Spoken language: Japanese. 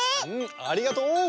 ありがとう！